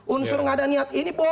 unsur tidak ada niat ini berarti